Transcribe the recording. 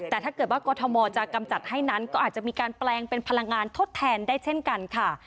แต่ถ้าเกิดว่ากรทมจะกำจัดให้นั้นก็อาจจะมีการแปลงเป็นพลังงานทดแทนได้เช่นกันค่ะ